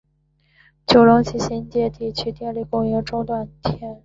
九龙及新界地区电力供应中断数天。